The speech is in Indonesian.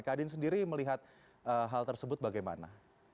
kadin sendiri melihat hal tersebut bagaimana